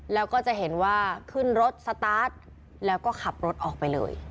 แล้วก็จะเห็นว่าขึ้นรถสตาร์ทแล้วก็ขับรถออกไปเลย